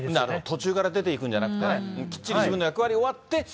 途中から出ていくんじゃなくて、きっちり自分の役割